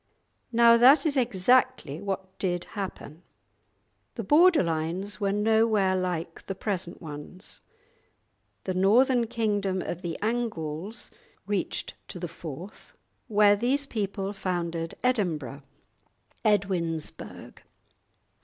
Now that is exactly what did happen. The border lines were nowhere like the present ones. The northern kingdom of the Angles reached to the Forth, where these people founded Edinburgh (Edwin's burgh).